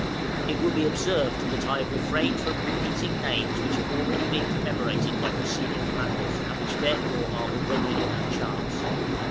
It will be observed that I have refrained from repeating names which have already been commemorated by preceding commanders, and which therefore are already in our charts.